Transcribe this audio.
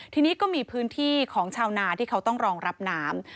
ทีนี้ก็มีพื้นที่ของชาวนาที่เขาต้องรองรับน้ำ